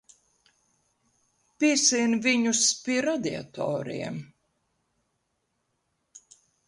Piesien viņus pie radiatoriem.